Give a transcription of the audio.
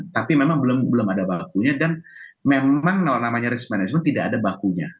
tapi memang belum ada bakunya dan memang namanya risk management tidak ada bakunya